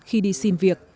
khi đi xin việc